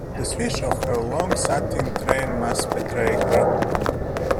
The swish of her long satin train must betray her.